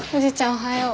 おはよう。